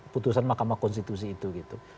putusan mahkamah konstitusi itu gitu